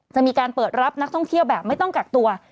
จะมีการเปิดรับนักท่องเที่ยวแบบไม่ต้องกักตัว